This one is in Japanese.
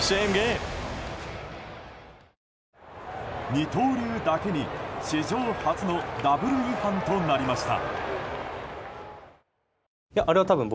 二刀流だけに、史上初のダブル違反となりました。